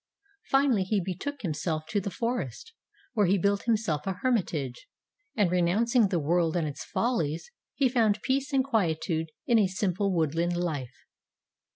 Finally he betook himself to the forest, where he built himself a hermitage, and renouncing the world and its follies, he found peace and quietude in a simple woodland life.